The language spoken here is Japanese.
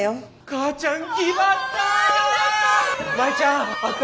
母ちゃんぎばった！